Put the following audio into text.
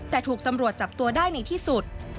แต่ถูกตำรวจจับตัวได้ในที่สุด